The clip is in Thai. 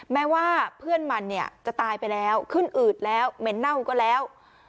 แม้ว่าเพื่อนมันเนี่ยจะตายไปแล้วขึ้นอืดแล้วเหม็นเน่าก็แล้ว